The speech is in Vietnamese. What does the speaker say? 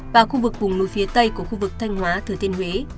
và khu vực vùng núi phía tây của khu vực thanh hóa thừa thiên huế